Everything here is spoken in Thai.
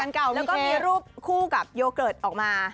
แฟนเก่ามิเคแล้วก็มีรูปคู่กับโยเกิร์ตออกมา